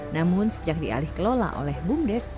namun sejak dialih kelola oleh bumdes